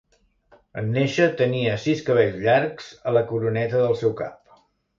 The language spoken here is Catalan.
En néixer, tenia sis cabells llargs a la coroneta del seu cap.